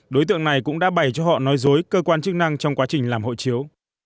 đối tượng này cũng đã bày cho họ nói dối cơ quan chức năng trong quá trình làm hộ chiếu